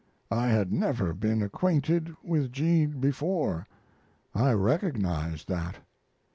I had never been acquainted with Jean before. I recognized that.